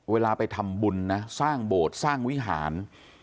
เวลาไปทำบุญนะสร้างโบสถ์สร้างวิหาร